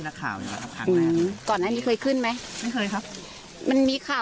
ใช่ครับที่ขึ้นมาพร้อมพี่นักข่าว